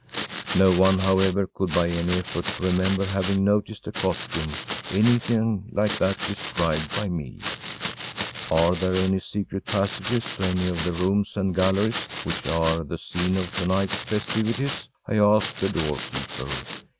No one, however, could by any effort remember having noticed a costume anything like that described by me. “Are there any secret passages to any of the rooms and galleries which are the scene of tonight’s festivities?‚ÄĚ I asked a doorkeeper.